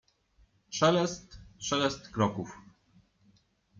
Szelest, szelest kroków.